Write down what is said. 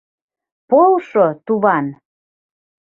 — Полшо, туван!